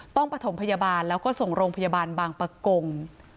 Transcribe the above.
ประถมพยาบาลแล้วก็ส่งโรงพยาบาลบางประกง